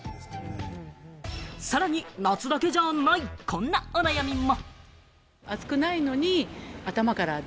さらに夏だけじゃない、こんなお悩みも。